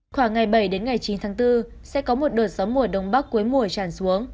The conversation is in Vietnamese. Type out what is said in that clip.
khoảng ngày bảy đến ngày chín tháng bốn sẽ có một đợt gió mùa đông bắc cuối mùa tràn xuống